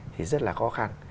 thì rất là khó khăn